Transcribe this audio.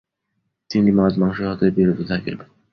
তিনি মদ, মাংস হতে বিরত থাকবেন।